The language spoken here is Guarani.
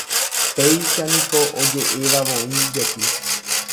Péicha niko oje'evavoíjepi.